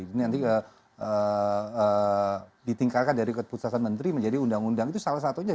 ini nanti ditingkatkan dari keputusan menteri menjadi undang undang itu salah satunya